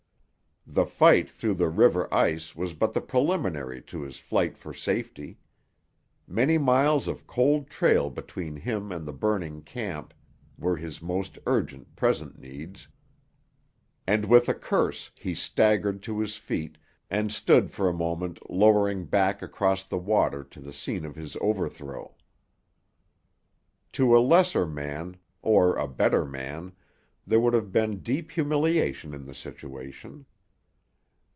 The fight through the river ice was but the preliminary to his flight for safety. Many miles of cold trail between him and the burning camp were his most urgent present needs, and with a curse he staggered to his feet and stood for a moment lowering back across the water to the scene of his overthrow. To a lesser man—or a better man—there would have been deep humiliation in the situation.